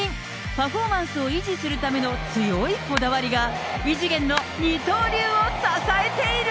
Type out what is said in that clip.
パフォーマンスを維持するための強いこだわりが、異次元の二刀流を支えている。